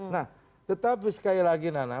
nah tetapi sekali lagi nana